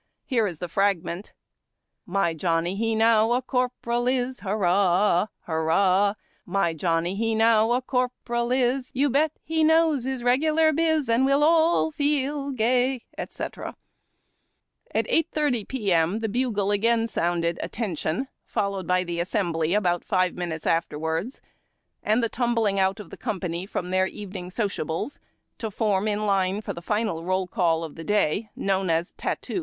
Here is the fragment :— My Johnny he now a Corporal is I Hurrah ! Hurrah ! My Johnny he now a Corporal is, You bet he knows his regular biz, And we'll all feel gay, etc. At 8.30 P. M., the bugle again sounded " Attention," fol lowed by the " Assembly," about five minutes afterwards, and the tumbling out of the company from their evening sociables, to form in line for the final roll call of the day, known as Tattoo.